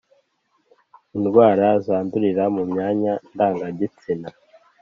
Indwara zandurira mu myanya ndangagitsina